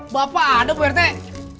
bapak ada bu yartek